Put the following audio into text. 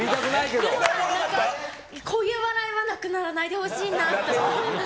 こういう笑いはなくならないすばらしい。